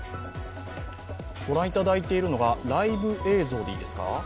ご覧いただいているのがライブ映像でいいですか。